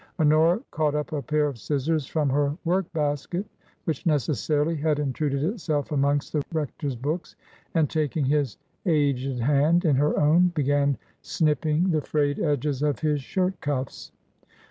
Honora caught up a pair of scissors from her work basket, which necessarily had intruded itself amongst the rector's books, and taking his aged hand in her own, began snipping the frayed edges of his shirt cufis.